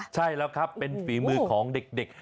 ใช่แล้วครับเป็นฝีมือของเด็ก